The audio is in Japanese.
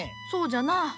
そうじゃな。